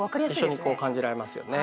一緒にこう感じられますよね。